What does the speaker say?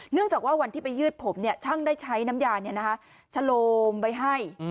จากว่าวันที่ไปยืดผมช่างได้ใช้น้ำยาชะโลมไว้ให้